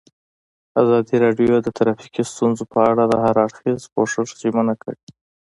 ازادي راډیو د ټرافیکي ستونزې په اړه د هر اړخیز پوښښ ژمنه کړې.